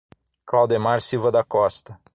Claudemar Silva da Costa